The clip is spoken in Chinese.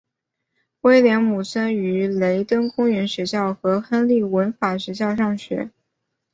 威廉姆森于雷登公园学校和亨利文法学校上学。